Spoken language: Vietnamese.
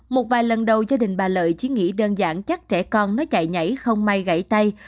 một vài lần đầu gia đình bà lợi chỉ nghĩ đơn giản chắc trẻ con nó chạy nhảy không may gãy tay